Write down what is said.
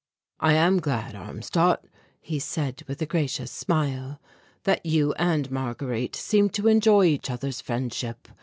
"I am glad, Armstadt," he said with a gracious smile, "that you and Marguerite seem to enjoy each other's friendship.